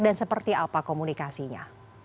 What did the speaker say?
dan seperti apa komunikasinya